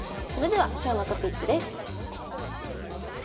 それでは今日のトピックです。